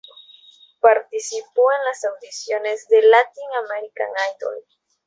Participó en las audiciones de Latin American Idol.